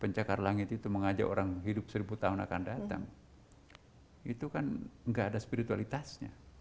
pencakar langit itu mengajak orang hidup seribu tahun akan datang itu kan enggak ada spiritualitasnya